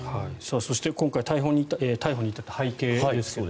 そして、今回逮捕に至った背景ですけれど。